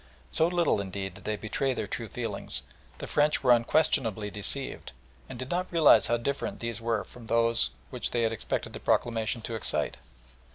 So little, indeed, did they betray their true feelings, the French were unquestionably deceived, and did not realise how different these were from those which they had expected the proclamation to excite.